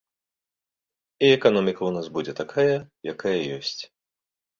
І эканоміка ў нас будзе такая, якая ёсць.